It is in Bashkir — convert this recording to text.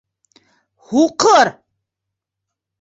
Һуҡыр!..